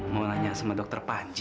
mau nanya sama dokter panci